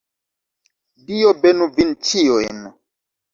Dio benu vin ĉiujn.